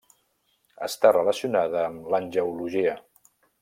Està relacionada amb l'angeologia.